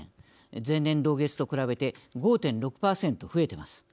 前年、同月と比べて５．６％増えています。